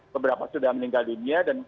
beberapa sudah meninggal dunia